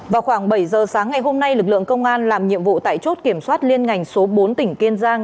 vào khoảng bảy giờ sáng ngày hôm nay lực lượng công an làm nhiệm vụ tại chốt kiểm soát liên ngành số bốn tỉnh kiên giang